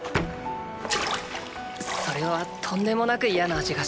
それはとんでもなくイヤな味がした。